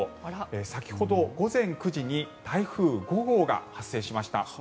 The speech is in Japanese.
先ほど午前９時に台風５号が発生しました。